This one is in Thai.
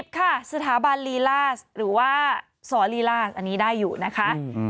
ค่ะสถาบันลีลาสหรือว่าสอลีลาศอันนี้ได้อยู่นะคะ